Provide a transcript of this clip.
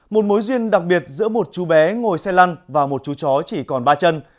một mối duyên đặc biệt giữa một chú bé ngồi xe lăn và một chú chó chỉ còn ba chân